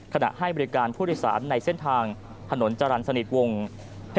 ขณะให้บริการผู้โดยสารในเส้นทางถนนจรรย์สนิทวงศ์